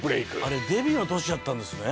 あれデビューの年やったんですね